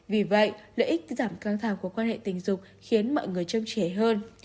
vì vậy lợi ích giảm căng thẳng của quan hệ tình dục khiến mọi người trông trẻ hơn